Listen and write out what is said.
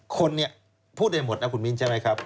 คนเนี่ยพูดได้หมดนะคุณมิ้นใช่ไหมครับ